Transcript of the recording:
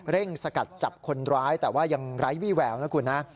สกัดจับคนร้ายแต่ว่ายังไร้วี่แววนะคุณนะ